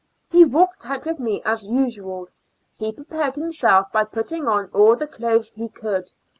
He walked out with me as usual ; he prepared himself by putting on all the clothes he could.